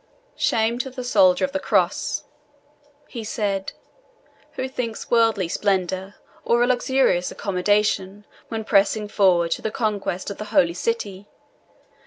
"Shame to the soldier of the Cross," he said, "who thinks of worldly splendour, or of luxurious accommodation, when pressing forward to the conquest of the Holy City.